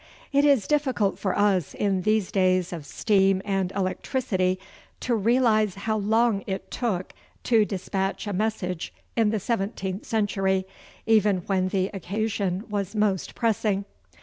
It is difficult for us in these days of steam and electricity to realise how long it took to despatch a message in the seventeenth century, even when the occasion was most pressing.